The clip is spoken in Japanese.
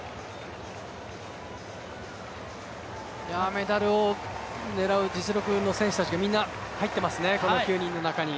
メダルを狙う実力の選手たちがみんな入ってますね、この９人の中に。